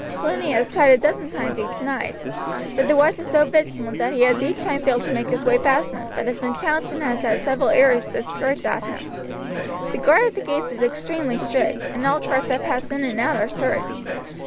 Cluny has tried a dozen times each night, but the watch is so vigilant that he has each time failed to make his way past them, but has been challenged and has had several arrows discharged at him. The guard at the gates is extremely strict, and all carts that pass in and out are searched.